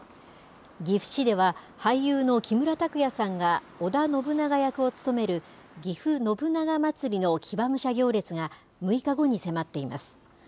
岐阜市では、俳優の木村拓哉さんが、織田信長役を務めるぎふ信長まつりの騎馬武者行列が、６日後に迫っています。